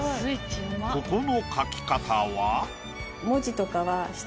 ここの描き方は？